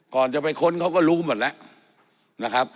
ก่อนจะไปค้นเขาก็รู้หมดแล้วนะครับ